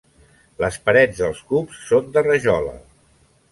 Les parets dels cups són de rajola.